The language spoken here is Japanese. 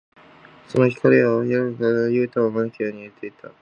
その光は青白く輝きながら、ユウタを招くように揺れていた。